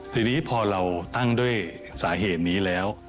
ทีนี้พอเราตั้งด้วยสาเหตุนี้แล้ว